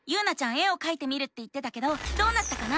絵をかいてみるって言ってたけどどうなったかな？